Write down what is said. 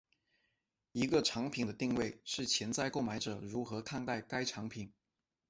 一个产品的定位是潜在购买者如何看待该产品。